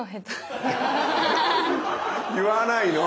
言わないの！